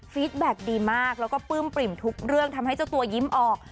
แบ็คดีมากแล้วก็ปลื้มปริ่มทุกเรื่องทำให้เจ้าตัวยิ้มออก